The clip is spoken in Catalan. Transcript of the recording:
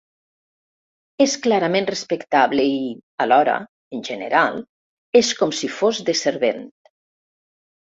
És clarament respectable i, alhora, en general, és com si fos de servent.